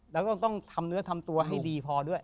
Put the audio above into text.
แล้วก็ต้องทำเนื้อทำตัวให้ดีพอด้วย